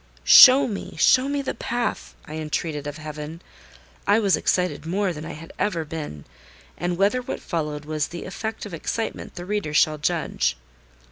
"Show me, show me the path!" I entreated of Heaven. I was excited more than I had ever been; and whether what followed was the effect of excitement the reader shall judge.